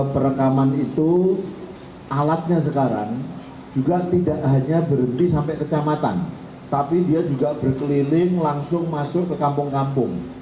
perekaman itu alatnya sekarang juga tidak hanya berhenti sampai kecamatan tapi dia juga berkeliling langsung masuk ke kampung kampung